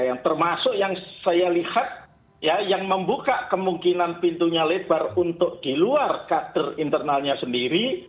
yang termasuk yang saya lihat ya yang membuka kemungkinan pintunya lebar untuk di luar kader internalnya sendiri